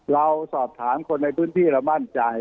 เราสอบถามคนในต้นที่แล้วมั่นใจ